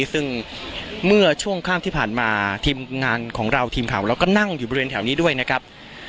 ซึ่งเมื่อช่วงค่ำที่ผ่านมาทีมงานของเราทีมข่าวเราก็นั่งอยู่บริเวณแถวนี้ด้วยนะครับ